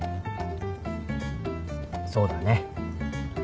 そうだね。